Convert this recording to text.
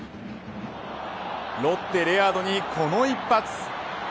ロッテ、レアードにこの一発。